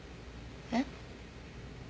えっ？